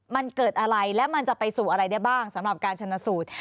มันเกิดอะไรและมันจะไปสู่อะไรได้บ้างสำหรับการชนสูตร